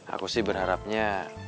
aku sih berharapnya